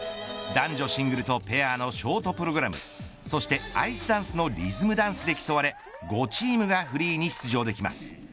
男女シングルとペアのショートプログラムそしてアイスダンスのリズムダンスで競われ５チームがフリーに出場できます。